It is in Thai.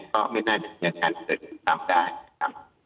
ก็ไม่น่าจะเกิดกันตามได้ครับ